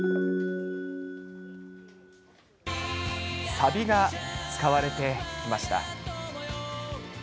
サビが使われていました。